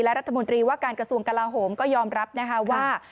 รัฐมนตรีว่าการกระทรวงกลาโหมก็ยอมรับนะคะว่า